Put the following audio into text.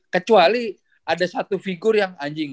kecuali ada satu figur yang anjing